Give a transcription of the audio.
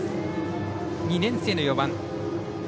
２年生の４番。